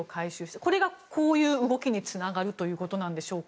これがこういう動きにつながるということなんでしょうか。